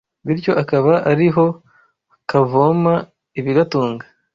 bityo akaba ari ho kavoma ibigatunga